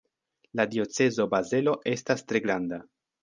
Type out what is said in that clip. La diocezo Bazelo estas tre granda.